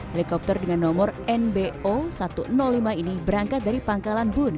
helikopter dengan nomor nbo satu ratus lima ini berangkat dari pangkalan bun